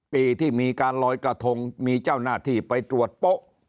ปีที่มีการลอยกระทงมีเจ้าหน้าที่ไปตรวจโป๊ะ